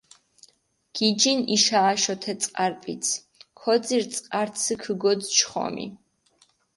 გიჯინ იშო-აშო თე წყარიპიცჷ, ქოძირჷ წყარცჷ ქჷგოძჷ ჩხომი.